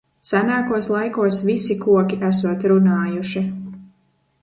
Senākos laikos visi koki esot runājuši.